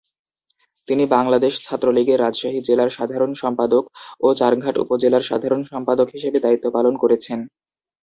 তিনি বাংলাদেশ ছাত্রলীগের রাজশাহী জেলার সাধারণ সম্পাদক ও চারঘাট উপজেলার সাধারণ সম্পাদক হিসেবে দায়িত্ব পালন করেছেন।